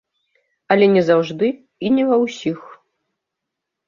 Але не заўжды і не ва ўсіх.